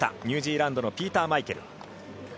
ニュージーランドのピーター・マイケル。